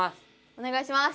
おねがいします。